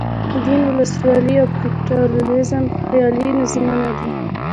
دین، ولسواکي او کپیټالیزم خیالي نظمونه دي.